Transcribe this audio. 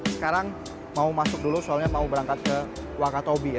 sekarang mau masuk dulu soalnya mau berangkat ke wakatobi ya